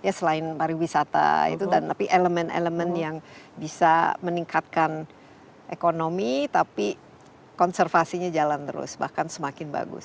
ya selain pariwisata itu dan tapi elemen elemen yang bisa meningkatkan ekonomi tapi konservasinya jalan terus bahkan semakin bagus